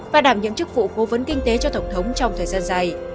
và đảm nhiệm chức vụ cố vấn kinh tế cho tổng thống trong thời gian dài